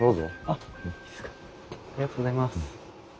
ありがとうございます。